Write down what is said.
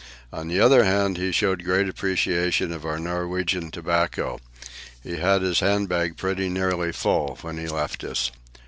On the other hand, he showed great appreciation of our Norwegian tobacco. He had his handbag pretty nearly full when he left us.